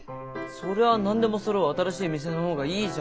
そりゃ何でもそろう新しい店の方がいいじゃん。